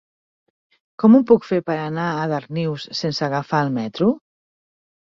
Com ho puc fer per anar a Darnius sense agafar el metro?